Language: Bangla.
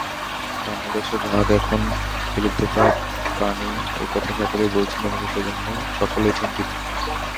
বাংলাদেশে বাঘ এখন বিলুপ্তপ্রায় প্রাণী—এ কথা সকলেই বলছেন এবং সেজন্য সকলেই চিন্তিত।